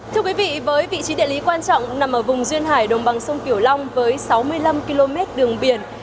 thưa quý vị với vị trí địa lý quan trọng nằm ở vùng duyên hải đồng bằng sông kiểu long với sáu mươi năm km đường biển